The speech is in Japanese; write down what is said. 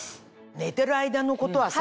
寝てる間のことはさ